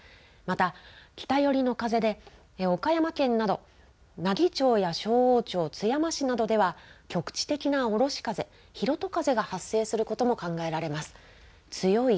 また北寄りの風で岡山県など奈義町や勝央町、津山市などでは局地的なおろし風、ひろと風が発生することも考えられます。